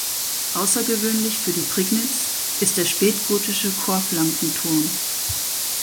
Außergewöhnlich für die Prignitz ist der spätgotische Chorflankenturm.